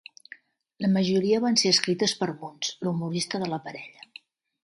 La majoria van ser escrites per Burns, l'humorista de la parella.